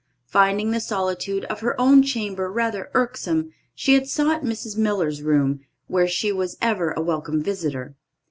Finding the solitude of her own chamber rather irksome, she had sought Mrs. Miller's room, where she was ever a welcome visitor.